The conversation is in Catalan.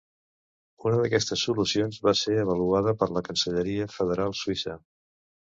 Una d'aquestes solucions va ser avaluada per la Cancelleria Federal Suïssa.